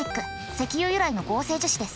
石油由来の合成樹脂です。